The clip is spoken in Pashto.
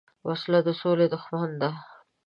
وسله د سولې دښمن ده